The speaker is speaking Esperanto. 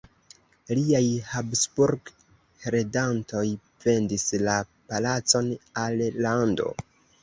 Liaj Habsburg-heredantoj vendis la palacon al lando.